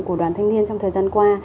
của đoàn thanh niên trong thời gian qua